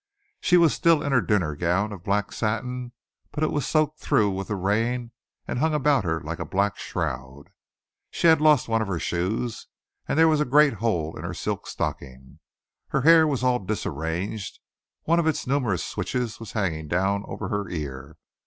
She was still in her dinner gown of black satin, but it was soaked through with the rain and hung about her like a black shroud. She had lost one shoe, and there was a great hole in her silk stocking. Her hair was all disarranged; one of its numerous switches was hanging down over her ear.